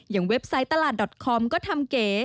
อย่างเว็บไซต์ตลาดคอมก็ทำเก๋